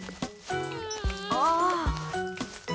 ああ。